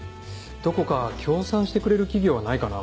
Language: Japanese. どこか協賛してくれる企業はないかな？